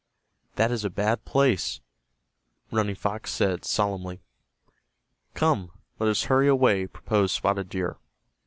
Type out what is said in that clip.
"That is a bad place," Banning Fox said, solemnly. "Come, let us hurry away," proposed Spotted Deer.